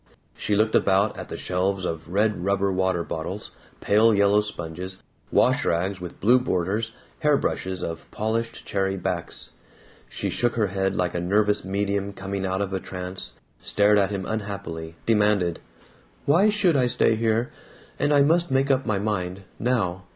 She looked about at shelves of red rubber water bottles, pale yellow sponges, wash rags with blue borders, hair brushes of polished cherry backs. She shook her head like a nervous medium coming out of a trance, stared at him unhappily, demanded: "Why should I stay here? And I must make up my mind. Now.